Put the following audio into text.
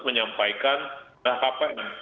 menyampaikan nah kpn